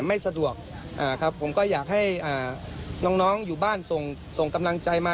ไม่สะดวกครับผมก็อยากให้น้องอยู่บ้านส่งกำลังใจมา